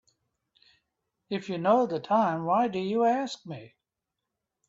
If you know the time why do you ask me?